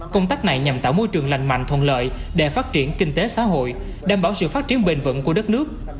công tác này nhằm tạo môi trường lành mạnh thuận lợi để phát triển kinh tế xã hội đảm bảo sự phát triển bền vững của đất nước